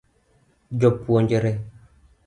Jopuonjre